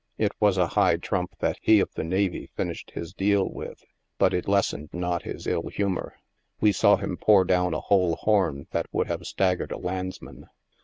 It was a high trump that he of the navy finished his deal with — but it lessened not his ill humor. We saw him pour down a wholesome horn that would have staggered a landsman.